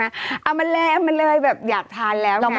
เอามาแล้วเอามาเลยแบบอยากทานแล้ว